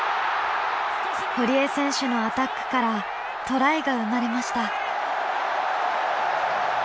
堀江選手のアタックからトライが生まれました。